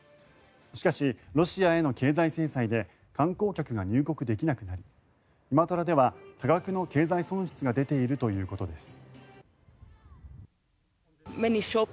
しかし、ロシアへの経済制裁で観光客が入国できなくなりイマトラでは多額の経済損失が出ているということです。